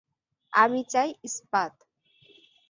আমি চাই ইস্পাত।